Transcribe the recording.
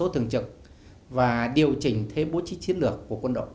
giảm số thường trực và điều chỉnh thế bố trí chiến lược của quân đội